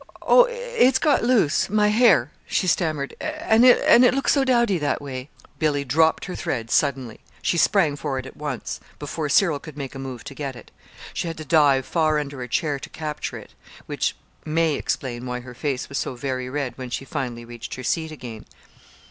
"It's got loose my hair," she stammered, "and it looks so dowdy that way!" Billy dropped her thread suddenly. She sprang for it at once, before Cyril could make a move to get it. She had to dive far under a chair to capture it which may explain why her face was so very red when she finally reached her seat again.